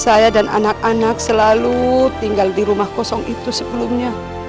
saya dan anak anak selalu tinggal di rumah kosong itu sebelumnya